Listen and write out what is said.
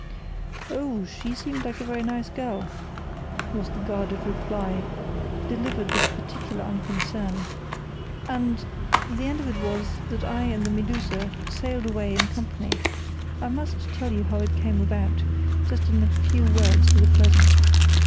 "Oh, she seemed a very nice girl," was the guarded reply, delivered with particular unconcern, "and—the end of it was that I and the Medusa sailed away in company. I must tell you how it came about, just in a few words for the present.